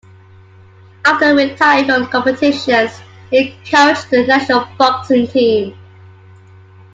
After retiring from competitions he coached the national boxing team.